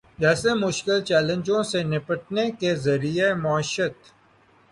جیسے مشکل چیلنجوں سے نمٹنے کے ذریعہ معیشت